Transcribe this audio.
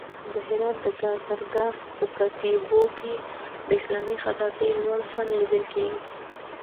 د هرات د گازرګاه په کتيبو کې د اسلامي خطاطۍ لوړ فن لیدل کېږي.